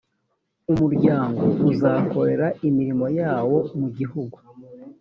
umuryango uzakorera imirimo yawo mu gihugu